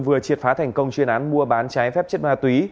vừa triệt phá thành công chuyên án mua bán trái phép chất ma túy